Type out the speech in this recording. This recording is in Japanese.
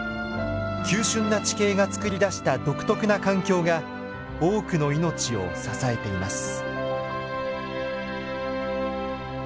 急しゅんな地形が作り出した独特な環境が多くの命を支えています。